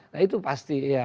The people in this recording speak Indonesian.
nah itu pasti ya